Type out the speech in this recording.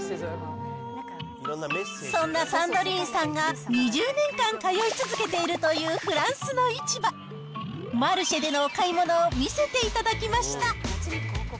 そんなサンドリーンさんが、２０年間通い続けているというフランスの市場・マルシェでのお買い物を見せていただきました。